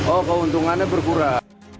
oh keuntungannya berkurang